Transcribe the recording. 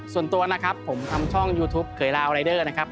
ส่วนตัวนะครับผมทำช่องยูทูปเขยลาวรายเดอร์นะครับ